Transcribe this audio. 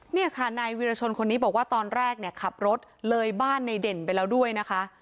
เนี่ยค่ะนายวิรชนคนนี้บอกว่าตอนแรกเนี่ยขับรถเลยบ้านในเด่นไปแล้วด้วยนะคะ